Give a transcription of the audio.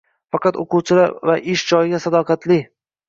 Faqat o‘quvchilar va ish joyiga sadoqatli.